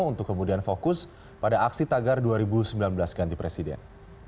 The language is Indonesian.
untuk kemudian fokus pada aksi tagar dua ribu sembilan belas ganti presiden